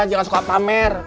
jangan suka pamir